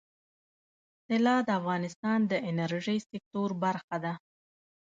طلا د افغانستان د انرژۍ سکتور برخه ده.